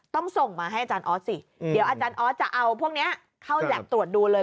ต้องส่งมาให้อาจารย์ออสสิเดี๋ยวอาจารย์ออสจะเอาพวกนี้เข้าแล็บตรวจดูเลย